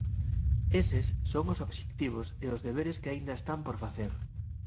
Eses son os obxectivos e os deberes que aínda están por facer.